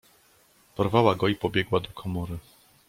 "Porwała go i pobiegła do komory."